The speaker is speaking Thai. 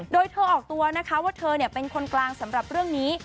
โดยเธอออกตัวนะคะว่าเธอเป็นคนกลางสำหรับเรื่องนี้